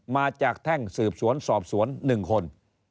แท่งสืบสวนสอบสวน๑คน